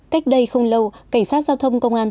cách đây không lâu cảnh sát giao thông công an tp hcm